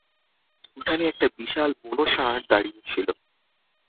উঠানে একটা বিশাল বুনো ষাড় দাঁড়িয়ে ছিল।